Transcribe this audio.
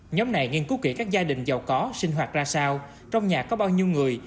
nhóm này nghiên cứu kỹ các gia đình giàu có sinh hoạt ra sao trong nhà có bao nhiêu người